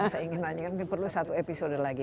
saya ingin tanyakan mungkin perlu satu episode lagi